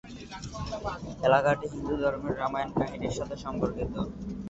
এলাকাটি হিন্দু ধর্মের রামায়ণ কাহিনীর সাথে সম্পর্কিত।